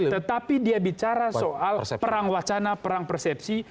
tetapi dia bicara soal perang wacana perang persepsi